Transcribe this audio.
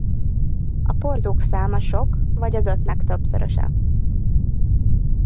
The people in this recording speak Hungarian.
A porzók száma sok vagy az ötnek többszöröse.